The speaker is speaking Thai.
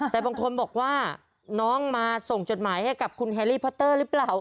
แต่บางคนบอกว่าน้องมาส่งจดหมายให้กับคุณแฮรี่พอตเตอร์หรือเปล่า